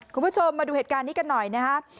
คุณผู้ชมมาดูเหตุการณ์นี้กันหน่อยนะฮะ